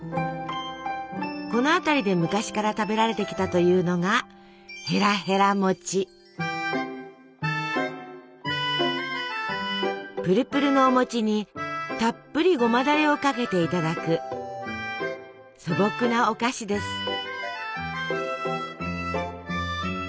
この辺りで昔から食べられてきたというのがぷるぷるのお餅にたっぷりごまだれをかけていただく素朴なお菓子です。